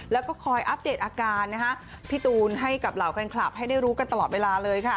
แล้วก็คอยอัปเดตอาการพี่ตูนให้กับเหล่าแฟนคลับให้ได้รู้กันตลอดเวลาเลยค่ะ